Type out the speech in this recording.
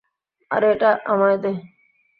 আরে এটা আমায় দে।